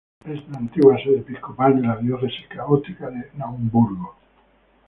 Es la antigua sede episcopal de la diócesis católica de Naumburgo.